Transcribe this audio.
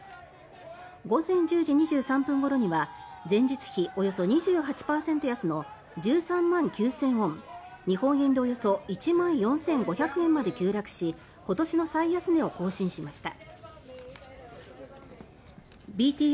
午前１０時２３分ごろには前日比およそ２８％安の１３万９０００ウォン日本円でおよそ１万４５００円まで急落し今年の最安値を更新しました。